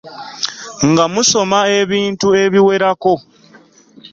Nga musoma ebintu ebiwerako.